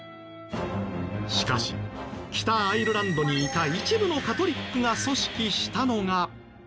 しかし北アイルランドにいた一部のカトリックが組織したのが。